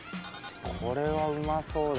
これはうまそうだな。